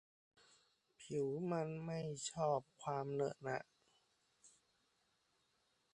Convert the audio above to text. ผิวมันที่ไม่ชอบความเหนอะหนะ